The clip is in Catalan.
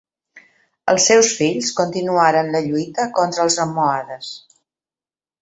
Els seus fills continuaren la lluita contra els almohades.